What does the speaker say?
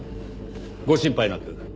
ご心配なく。